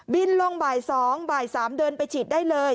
บินลงบ่าย๒บ่าย๓เดินไปฉีดได้เลย